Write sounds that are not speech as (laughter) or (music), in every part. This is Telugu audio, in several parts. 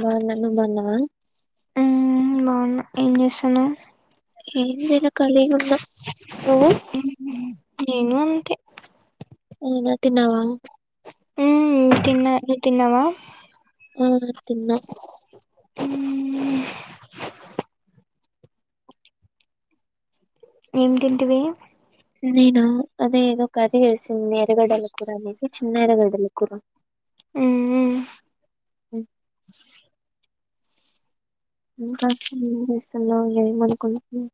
బావున్నా నువ్వు బావున్నావ ఎం చేస్తన్నావ్ ఎం చేయలే కలీగ్ ఉన్న నువ్వు నేను అంతే ఏం తీన్నవ హమ్ తిన్న నువ్వు తిన్నవ ఆ తిన్న హమ్ ఎం తింటివి నేన అదే ఏదో కరీ వేసి చిన్న ఎరగడల కూర అనేసి చిన్న ఎరగడ్డల కూర ఉమ్ ఇంకా ఏం చేస్తున్నావు ఏమనుకుంటున్నా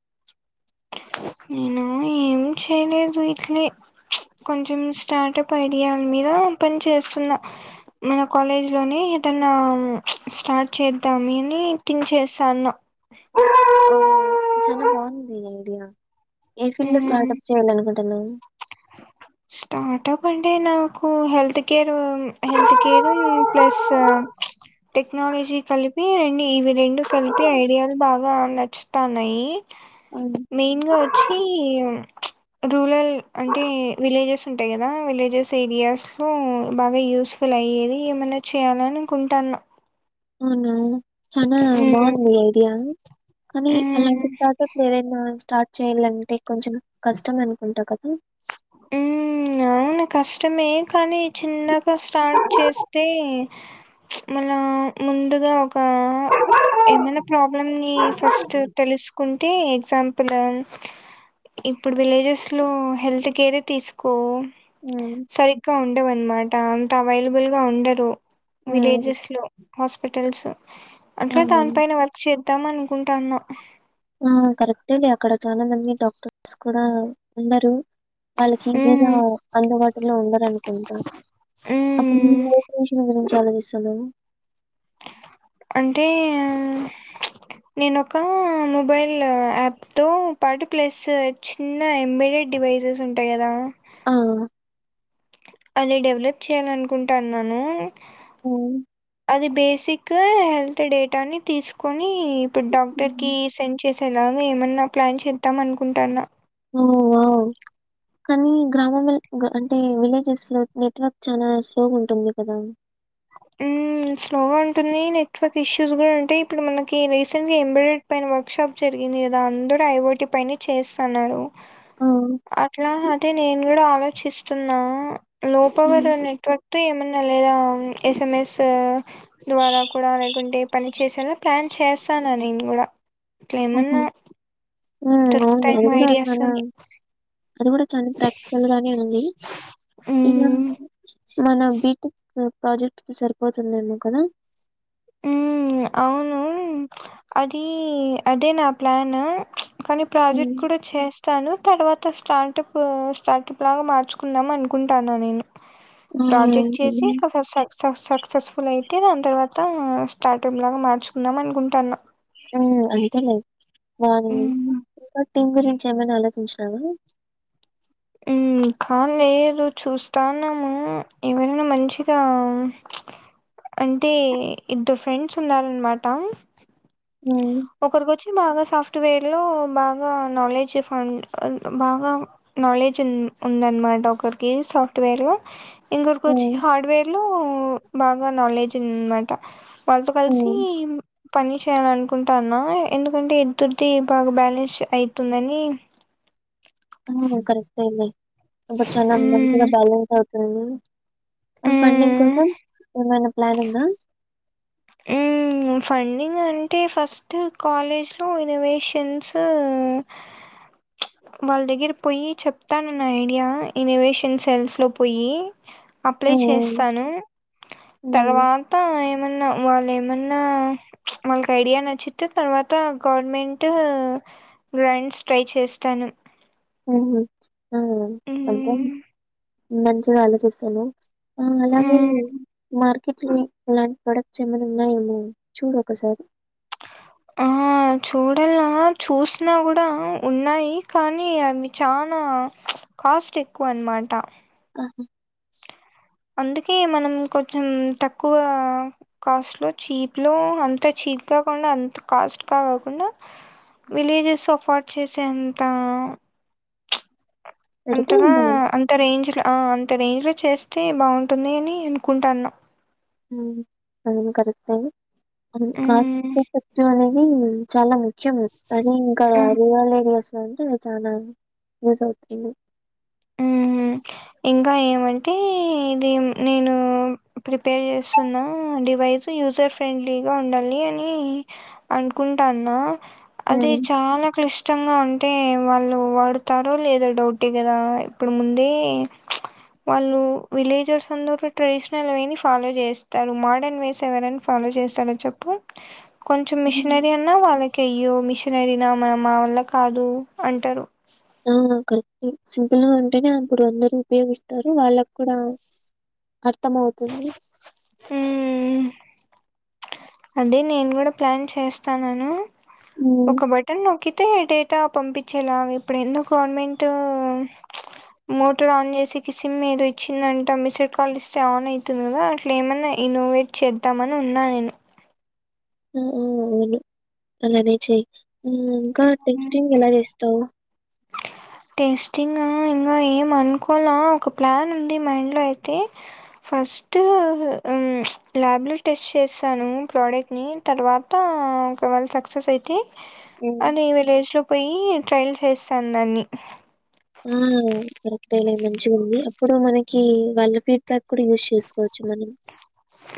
నేను ఏం చేయలేదు ఇట్లే కొంచెం స్టార్టప్ ఐడియాల మీద పని చేస్తున్న మన కాలేజ్లోనే ఏదన్నా స్టార్ట్ చేద్దామ అని తన్ేసాను ఆ, చాలా బాగుంది ఐడియా ఏ ఫీల్డ్ లో ఉమ్ స్టార్ట్ప్ చేయాలనుకుంటు తెనం స్టార్ట్ప్ అంటే నాకు health care health care plus technology కలిపి రం ఈవె రెండు కలిపి ఐడియాలు బాగా నచ్చుతా నయి అవును, మెయిన్ గా వచ్చి రూరల్ అంటే విలేజెస్ ఉంటాయి కదా విలేజెస్ ఏరియాస్ లో బాగా యూస్ఫుల్ అయ్యేది ఏమైన్నా చేయాలని అనుకుంటాను అవును చనా ఉమ్, బాగుంది ఐడియా కానీ అలాంటి ఉమ్. స్టార్ట్ప్ ఏదైనా స్టార్ట్ చెయాలంటే కొంచెం కష్టం అనుకుంటా కదా ఉ అవునా కష్టమే కానీ చిన్నగా స్టార్ట్ చేస్తే మన ముందుగా ఒక ఒక ఏమైనా ప్రాబ్లమ్ ని ఫస్ట్ తెలుసుకుంటే ఎగజాంపుల్ ఇప్పుడు విలేజెస్ లో హెల్త్ కేరే తీసుకో హ్మ్ సరిగ్గా ఉండవను దాంతొ అవైలబుల్ గా ఉండరు హ్మ్ విలేజెస్ లో హాస్పిటల్స్ అట్లే అవును. దాని పైన వర్క్ చే వద్దాం అనుకుంటాన్న ఆ కరెక్టేలే అక్కడ చాలమంది డాక్టర్స్ కూడా ఉండారు వాళ్ళకి ఈజీగా హ్మ్. అందుబాటులో ఉండరునుకుంటా అప్పుడు హ్మ్. (unintelligible) చాల మిస్ అయినవా అంటే నేనొక మొబైల్ యాప్ తో పార్టీ ప్లస్ చిన్న ఎంబ్రాయిడ్ డివైసెస్ ఉంటాయి కదా ఆవ్ అదె డెవలప్ చేయాల అనుకుంటాన్నాను హ్మ్. అది బేస్ హెల్త్ డేటాని తీసుకొని ఇప్పుడు హ్మ్. డాక్టర్కి సెండ్ చేసేలాగా ఏమన్నా ప్లాన్ చేద్దామ్ అనుకుంటున్న ఓ వావ్ కానీ గ్రామం లో అంటే విలేజెస్ లో నెట్వర్క్ చాలా స్లోగా ఉంటుంది కదా ఉ స్లోగా ఉంటుంది నెట్వర్క్ ఇష్యూస్ కూడా ఉంటాయి ఇప్పుడు మనకి రీసెంట్గా ఎంబ్రాయిడ్ పైన వర్క్ షాప్ జరిగింది కదా అందరు ఐఓటీ పైనే చేస్తాన్నారు ఆ! అట్లా అంటే నేన్ నేను కూడా ఆలోచిస్తున్నా లో పవర్ హ్మ్. ఓ నెట్వర్క్ ఏమన్నా లేదా అని ఎస్ఎంఎస్ ద్వారా కూడా లేకుంటే పని చేసేలా ప్లాన్ చేస్తాను నేను కూడా అట్లా ఓహో! ఎమన్నా హ్మ్. అవును. దొరుకుతాయి అది ఏమో గూడా ఐడియాస్ మన అని అది కూడా చాల ప్రాక్టికల్ గానే ఉంది ఇకా మ్మ్ మన బీటెక్ ప్రాజెక్ట్ కి సరిపోతుందేమో కదా ఉ అవును అది అదే నా ప్లాన్ కానీ హ్మ్. ప్రాజెక్ట్ కూడా చేస్తాను తర్వాత అ స్టార్టప్ స్టార్టప్ లాగా మార్చుకుందాం అనుకుంటాన్న నేను హ్మ్. ప్రాజెక్ట్ చేసి హ్మ్. ఇక చస్తాం స సస్ సక్సెస్ పుల్ అయితే ఎంత వ అంత స్టార్టింగ్ లాగా మార్చుకుందాం అనుకుంటాను ఉ అంతేలే రాను ఉమ్, ఉమ్, టీం గురించి ఎమన్నా ఆలోచించినవా ఉ ఇంకా లేదు చూస్తాన్నాము ఎవరైనా మంచిగా అంటే ఇద్దరు ఫ్రెండ్స్ ఉన్నారన్నమాట హ్మ్. ఒకరికి వచ్చి బాగా సాఫ్ సాఫ్ట్వేర్ లో బాగా నాలెడ్జ్ ఫండ్ బాగా నాలెడ్జ్ ఉందన్నమాట ఒకరికి సాఫ్ట్వేర్ లో ఇంకొకరికి వచ్చి హ్మ్. హార్డ్వేర్ లో బాగా నాలెడ్జ్ ఉంది అనమాట వాళ్ళతో హ్మ్. కలిసి పని చేయాలను కుంటాన ఎందుకంటే ఇద్దుది బాగా బ్యాలెన్స్ అయితుందని ఆ కరెక్టే లే అపుడ్ చాలా మంచిగా బ్యాలెన్స్ అవు క ఫండింగ్ కోసం ఏమైనా ప్లాన్ ఉందా ఉ ఫండింగ్ అంటే ఫస్ట్ కాలేజ్లో ఇనోవేషన్స్ వాళ్ళ దగ్గర పోయి చెప్తానన్న ఐడియా ఇనోవేషన్ సెల్స్ లో పోయి అప్లై హ్మ్. హ్మ్. చేస్తాను హ్మ్. తర్వాత ఏమన్నా వాళ్ళు ఏమన్నా వాళ్ళకి ఐడియా నచ్చితే తర్వాత గవర్నమెంట్ గ్రాంట్స్ ట్రై చేస్తాను ఉహు ఆ అంటండి మ్మ్. మంచిగా ఆలోచిస్తాను ఆ అలాగే మ్మ్. మార్ కిట్లి ఇలాంటి ప్రొడక్ట్స్ ఏమైనా ఉన్నాయేమో చూడు ఒకసారి ఆ చూడలా చూసినా కూడా ఉన్నాయి కానీ అవి చాలా కాస్ట్ ఎక్కువ అన్నమాట ఆహా అందుకే మనం కొంచెం తక్కువ కాస్ట్లో చీప్లో అంత చీప్ కాకుండా అంత కాస్ట్ కా కాకుండా విలేజెస్ అఫోర్డ్ చేసేంత పెడితే అంతగా బావుం అంత రేంజ్ లో అ ఇంత రేంజ్ లో చేస్తే బాగుంటుంది అని అనుకుంటన ఉ అది కూడ కరెక్టే అది కాస్ట్ చెప్పు మ్మ్. పెట్టుమని నీ చాల మ- ముఖ్యం అది ఇంకా రవలెగాస్ అంటే చాల యూస్ అవుతుంది ఉ ఇంకా ఏమంటే ఇది నేను ప్రిపేర్ చేస్తున్న డివైస్ యూజర్ ఫ్రెండ్లీగా ఉండాలి అని అనుకుంటానా అది హ్మ్. చాలా క్లిష్టంగా ఉం అంటే వాళ్ళు వాడుతారో లేదా డౌటే కదా ఇప్పుడు ముందే వాళ్ళు విలేజెర్స్ అందరు ట్రెడిషనల్ వే ని ఫాలో చేస్తారు మోడర్న్ వేస్ ఎవరన ఫాలో చేస్తార చెప్పు కొంచెం హ్మ్. మిషనరీ అన్నా వాళ్ళ కెయ్యో మిషనరీనా మన మా వల్ల కాదు అంటరు ఆ కరెక్ట్ సింపుల్ గా ఉంటేనే అప్పుడు అందరు ఉపయోగిస్తారు వాళ్ళకు కూడా అర్థం అవుతుంది ఉ ఉ అంటే నేను కూడా ప్లాన్ చేస్తానను హ్మ్. ఒక బటన్ నొక్కి అయితే డేటా పంపించేలాగా ఇప్పుడు ఎన్నో గవర్నమెంటు మోటర్ ఆన్ చేసేకి సిమ్ ఏదో ఇచ్చిందంటే మిస్డ్ కాల్ ఇస్తే ఆన్ అవుతుంది కదా అట్లా ఏమన్నా ఇన్నోవేట్ చేద్దామని అనున్నా నేను మ్మ్ మ్మ్ అవును ఆలానే చెయి మ్మ్ ఇంకా టెస్టింగ్ ఎలా చేస్తావు టేస్టింగ్ ఇంకా ఏమనుకోల ఒక ప్లాన్ ఉంది మైండ్లో అయితే ఫస్ట్ ల్యాబ్లెలో టెస్ట్ చేసాను ప్రోడక్ట్ని తర్వాత ఒకవేళ సక్సెస్ అయితే హ్మ్. అని విలేజ్ లో పోయి ట్రైల్ చేస్తా నన్ని ఆ కరెక్ట్ అలే మంచిగా ఉంది అప్పుడు మనకి వన్ ఫీడ్బ్యాక్ కూడా యూజ్ చేసుకోవచ్చు మనం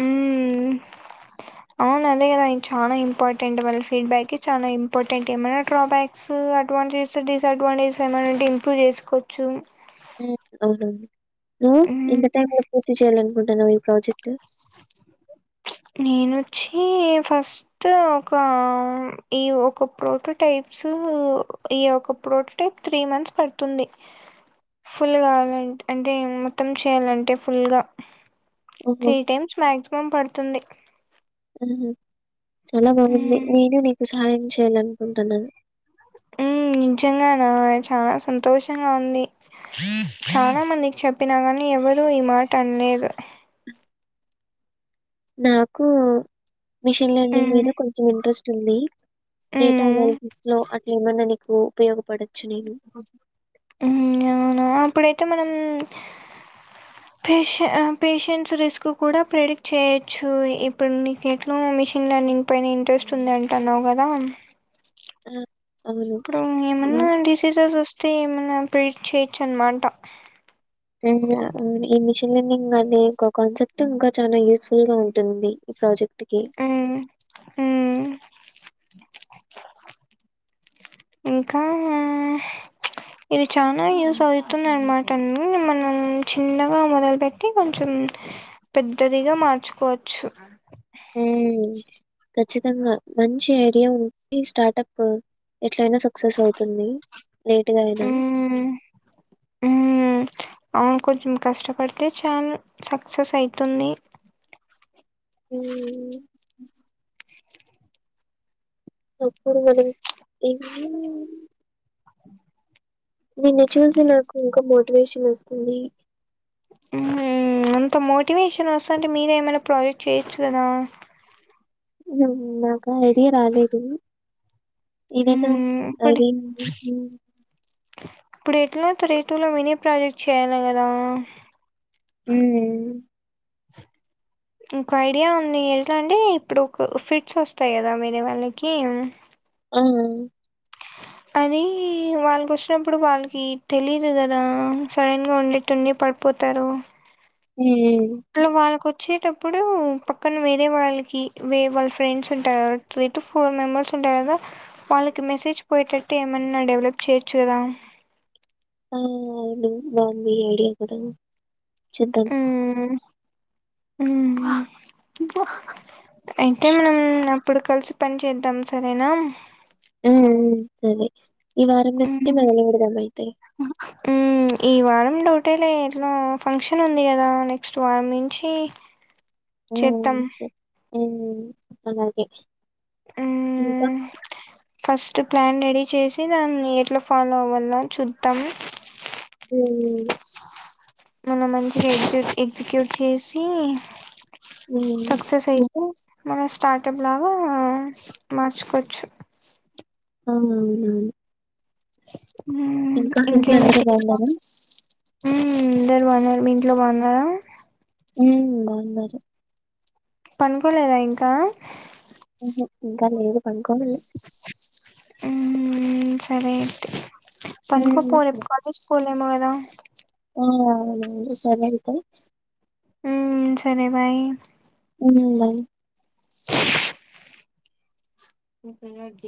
మ్మ్ అవునుదే కదా అ చాలా ఇంపార్టెంట్ వాళ్ళ ఫీడ్బ్యాక్ చాలా ఇంపార్టెంట్ ఏమైనా డ్రాబ్యాక్స్ అడ్వాంటేజెస్ డిసఅడ్వాంటేజెస్ ఏమైనాంటే ఇంప్రూవ్ చేసుకోవచ్చు అవును నువ్ మ్మ్ ఇంత టైం లో పూర్తి చేయలే కుంటాను ఈ ప్రాజెక్ట్ నేను వచ్చి ఫస్ట్ ఒక ఈ ఒక ప్రోటో టైప్స్ ఈ ఒక ప్రోటో త్రీ మంత్స్ పడుతుంది ఫుల్ కావాలంట అంటే మొత్తం చేయాలంటే ఫుల్గా ఓహో! త్రీ టైమ్స్ మాక్సిమం పడుతుంది హుహు. చాలా బాగుంది మ్మ్ నేను నీ సహాయం చేయాల అనుకుంటన్న హమ్ నిజంగా నా చాలా సంతోషంగా ఉంది చాలా మందికి చెప్పినా కానీ ఎవరు ఈ మాట అనలేదు నాకు మిషన్ లర్నింగ్ ఉమ్ మీద కొంచం ఇంట్రెస్ట్ ఉంది డేటా ఉమ్ అనాలిసిస్ లో అట్లా ఏమైన్నా నీక్ ఉపయోగపడే మ్మ్ అవునా అప్పుడైతే మనం పేష పేషెంట్స్ రిస్క్ కూడా ప్రిడిక్ట్ చేయొచ్చు ఇప్పుడు నీకు ఎట్లా మిషిన్ లెర్నింగ్ పైన ఇంట్రెస్ట్ ఉంది అంటు అన్నావు కదా మ్మ్ ఇప్పుడు ఏమన్నా డిసీజెస్ వస్ కవేయమన్నారు ఏమనా ప్ర చేయచ్చ అనమాట మ్మ్ ఈ మిషన్ లెర్నింగ్ అనే ఒక కాన్సెప్ట్ ఇంకా చాలా యూస్ఫుల్ గా ఉంటుంది ఈ ప్రాజెక్ట్ ఒటికె ఉమ్ ఉమ్ ఇంకా ఇది చాలా యూజ్ అవుతుంది అనమాటన్ని మనం చిన్నగా మొదలుపెట్టి కొంచెం పెద్దదిగా మార్చుకోవచ్చు మ్మ్ ఖచ్చితంగా మంచి ఐడియా ఉంది స్టార్టప్ ఎట్లయినా సక్సెస్ అవుతుంది లేట్ గా అయిన ఉమ్ హ్మ్. అవును కొంచెం కష్టపడితే చాలు సక్సెస్ అయితుంది మ్మ్ అపుడు (unintelligible) నిన్ను చూసి నాకు ఇంకా మోటివేషన్ వస్తుంది అంత మోటివేషన్ వస్త అంటే మీరే ఏమైనా ప్రాజెక్ట్ చేయొచ్చు కదా. ఉ నాక్ ఆ ఐడియా రాలేదూ. ఏదైనా హ్మ్. ఇప్పుడు (inaudible) ముందూ ఇప్పుడు ఎట్లా త రేటూలో వినే ప్రాజెక్ట్ చేయాలా కదా. ఉమ్ ఇంకో ఐడియా ఉందీ ఎట్లా అంటే, ఇప్పుడు ఒక ఫిట్స్ వస్తాయి కదా వేరే వాళ్ళకీ. హ్మ్ అఆ అదీ వాళ్ళకి వచ్చినప్పుడు వాళ్ళకీ తెలీదు గదా. సడన్గా ఉండేట్టుండి పడిపోతారు. హ్మ చ్చేటప్పుడూ పక్కన వేరే వాళ్ళకి వే వాళ్ళ ఫ్రెండ్స్ ఉంటారు త్రీ టు ఫోర్ మెంబర్స్ ఉంటారు కదా. వాళ్ళకి మెసేజ్ పోయేటట్టు ఏమన్నా డెవలప్ చేయొచ్చు కదా. ఆ అవును బాగుంది ఈ ఐడియా కూడా. చేద్దాం. ఊ అయితే మనం నా ఇప్పుడు కలిసి పని చేద్దాం సరేనా. ఊ ఊ సరే. ఈ వారం నెట్టి మొదలు పెడదాం అయితే. ఉమ్ ఈ వారం లో ఒకటేలే, ఎట్లా ఫంక్షన్ ఉంది గదా నెక్స్ట్ వారం నుంచీ. ఆ సర్ ఆ అలాగే. ఆ ఇంకా? ఫస్ట్ ప్లాన్ రెడీ చేసి, దాన్ని ఎట్లా ఫాలో అవ్వలనాని చూద్దాం. (unintelligible) మనం మంచిగ ఎగ్జిక్యూ ఎగ్జిక్యూట్ చేసీ. ఉమ్ సక్సెస్ అయితే. మన స్టార్టప్ లాగా మార్చుకోచ్చు. అవున్ అవును అవును మ్మ్ ఇంకా ఇంట్లో అందరూ బాగున్నారా. ఉమ్ అందరు బాగున్నారు. మీ ఇంట్లో బాగున్నారా. ఉమ్ బాగున్నారు. పనుకోలేదా ఇంకా. ఉహు ఇంకా లేదు. పనుకోమల్లి. ఊహూ సరే అయితే. పనుకో ఉమ్ పో రేప్ సరే మళ్ళీ స్కూల్కి (unintelligible) అవునవును సెవెంతే ఉమ్ సరే బాయ్ ఉమ్ ఇంతే గె